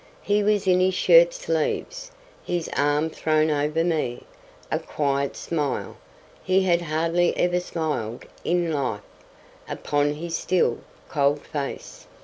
He was in his shirt sleeves—his arm thrown over me—a quiet smile (he had hardly ever smiled in life) upon his still, cold face.